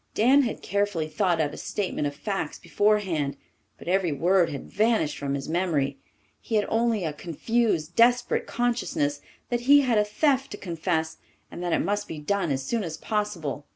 Dan had carefully thought out a statement of facts beforehand, but every word had vanished from his memory. He had only a confused, desperate consciousness that he had a theft to confess and that it must be done as soon as possible.